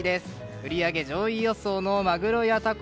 売り上げ上位予想のマグロやタコ